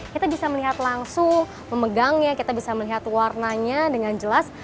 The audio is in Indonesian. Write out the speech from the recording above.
kita bisa melihat langsung memegangnya kita bisa melihat warnanya dengan jelas